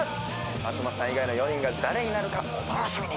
松本さん以外の４人が誰になるか、お楽しみに。